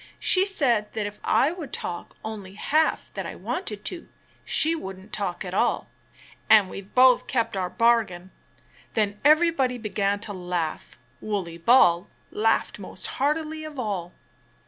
She said that if I would talk only half that I wanted to, she wouldn't talk at all, and we've both kept our bargain." Then everybody began to laugh. Wooley Ball laughed most heartily of all.